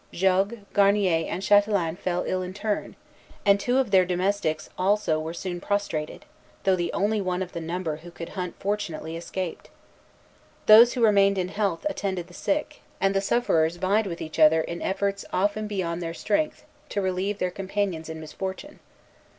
Jogues, Garnier, and Chatelain fell ill in turn; and two of their domestics also were soon prostrated, though the only one of the number who could hunt fortunately escaped. Those who remained in health attended the sick, and the sufferers vied with each other in efforts often beyond their strength to relieve their companions in misfortune.